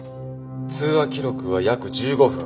通話記録は約１５分。